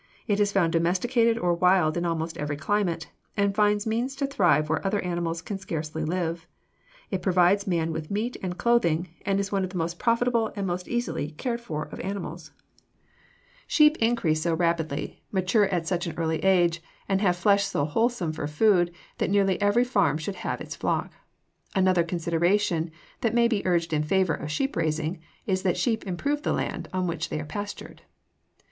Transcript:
It is found domesticated or wild in almost every climate, and finds means to thrive where other animals can scarcely live; it provides man with meat and clothing, and is one of the most profitable and most easily cared for of animals. [Illustration: FIG. 252. A YOUNG SHEPHERD] Sheep increase so rapidly, mature at such an early age, and have flesh so wholesome for food that nearly every farm should have its flock. Another consideration that may be urged in favor of sheep raising is that sheep improve the land on which they are pastured.